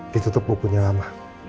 ditutup bukunya lama